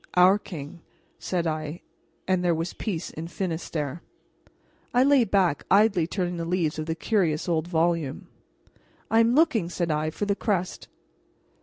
"Our king," said I; and there was peace in Finistere. I lay back, idly turning the leaves of the curious old volume. "I am looking," said I, "for the crest."